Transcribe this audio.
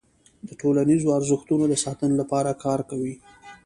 د ټولنیزو ارزښتونو د ساتنې لپاره کار کوي.